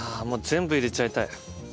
もう全部入れちゃいたい。